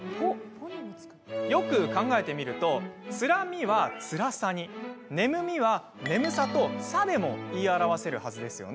よく考えてみるとつらみは、つらさに眠みは、眠さと「さ」でも言い表せるはずです。